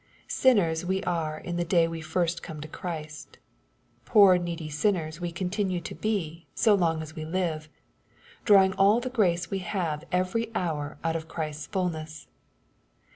Sinners we are in the day we fir sts co me to Christ. Poor^eedy smners we continue to be so long as we. live, drawing all the grace we have every hour out of Christ's fulness.